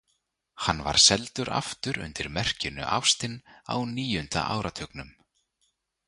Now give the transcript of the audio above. Hann var seldur aftur undir merkinu Austin á níunda áratugnum.